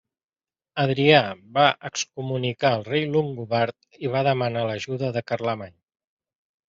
Adrià va excomunicar al rei longobard i va demanar l'ajuda de Carlemany.